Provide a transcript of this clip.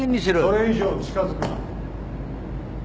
それ以上近づくな。